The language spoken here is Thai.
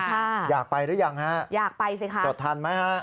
ค่ะอยากไปหรือยังฮะจดทันไหมฮะอยากไปสิค่ะ